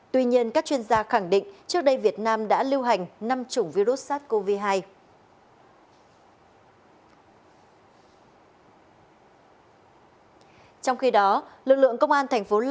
tuy nhiên các chuyên gia khẳng định trước đây việt nam đã lưu hành năm chủng virus sars cov hai